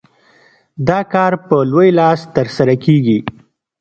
دا کار په لوی لاس ترسره کېږي.